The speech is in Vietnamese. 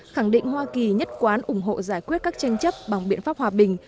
khẳng định hoa kỳ nhất quán ủng hộ giải quyết các tranh chấp bằng biện pháp hòa bình